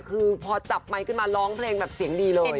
คือพอจับไมค์ขึ้นมาร้องเพลงแบบเสียงดีเลย